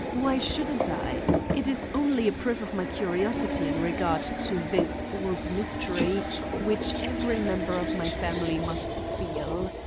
Why shouldn't I? It is only a proof of my curiosity in regard to this old mystery which every member of my family must feel.